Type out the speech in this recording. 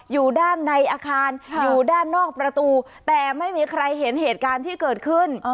อยู่ด้านในอาคารอยู่ด้านนอกประตูแต่ไม่มีใครเห็นเหตุการณ์ที่เกิดขึ้น